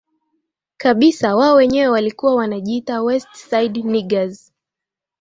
kabisa wao wenyewe walikuwa wanajiita West Side Niggaz